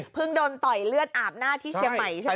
โดนต่อยเลือดอาบหน้าที่เชียงใหม่ใช่ไหม